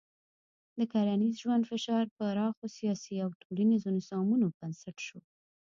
د کرنیز ژوند فشار پراخو سیاسي او ټولنیزو نظامونو بنسټ شو.